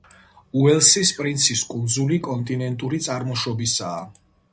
უელსის პრინცის კუნძული კონტინენტური წარმოშობისაა.